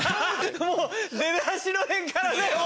もう出だしのへんからね。